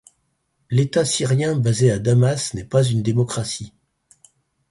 L'État syrien basé à Damas n'est pas une démocratie.